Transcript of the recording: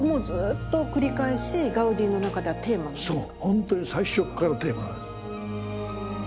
ほんとに最初っからのテーマなんです。